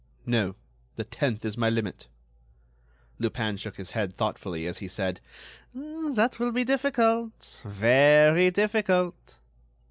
"No, the tenth is my limit." Lupin shook his head thoughtfully, as he said: "That will be difficult—very difficult."